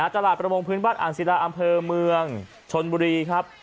ประมงพื้นบ้านอ่างศิลาอำเภอเมืองชนบุรีครับ